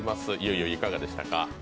ゆいゆい、いかがでしたか？